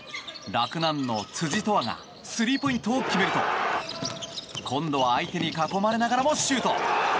洛南の辻永遠がスリーポイントを決めると今度は相手に囲まれながらもシュート。